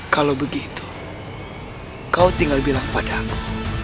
kalau begitu kau tinggal bilang pada aku